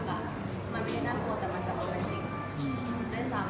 เธอยังไม่หนังโกลดแต่จะเป็นจริง